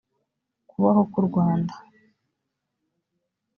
kubaho k’u rwanda